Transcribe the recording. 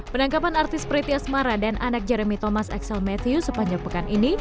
penangkapan artis preti asmara dan anak jeremy thomas axel matthew sepanjang pekan ini